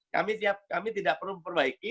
kami tidak perlu perbaiki